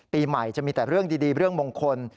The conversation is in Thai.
ปีใหม่จะมีแต่เรื่องดีเรื่องมงคล